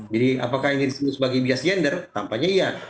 jadi apakah ini ditunjukkan sebagai bias gender tampaknya iya